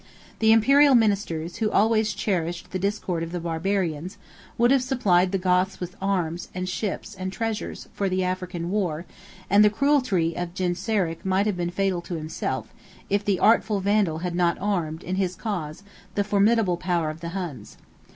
The Imperial ministers, who always cherished the discord of the Barbarians, would have supplied the Goths with arms, and ships, and treasures, for the African war; and the cruelty of Genseric might have been fatal to himself, if the artful Vandal had not armed, in his cause, the formidable power of the Huns.